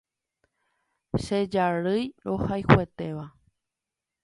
Che jarýi rohayhuetéva